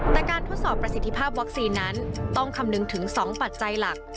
แต่การทดสอบประสิทธิภาพวัคซีนนั้นต้องคำนึงถึง๒ปัจจัยหลัก